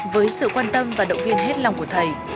với sự quan tâm và động viên hết lòng của thầy